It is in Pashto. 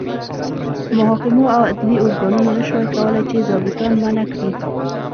محاکمو او عدلي ارګانونو نه شوای کولای چې ظابیطان منع کړي.